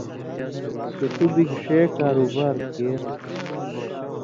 چےۡ تُو بِگ ݜے کاروبار کېر